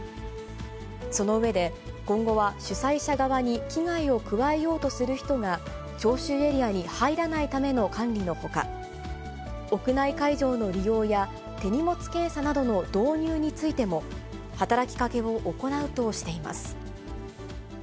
その上で、今後は主催者側に危害を加えようとする人が、聴衆エリアに入らないための管理のほか、屋内会場の利用や手荷物検査などの導入についても、働きかけを行うとしています。